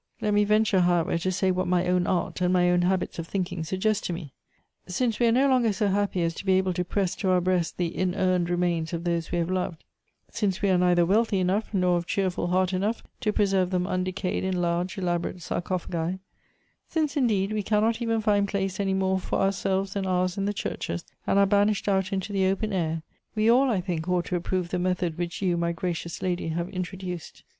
Let me venture, how ever, to say what my own art and my own habits of think ing suggest to me. Since we are no longer so happy as to be able to press to our breasts the in urned remains of those we have loved, since we are neither wealthy enough, nor of cheerful heart enough to preserve them undecayed in large elaborate sarcophagi ; since, indeed, we cannot even find place any more for ourselves and ours in the churches, and are banished out into the open air, we all, I think, ought to approve the method which you, my gra cious lady, have introduced.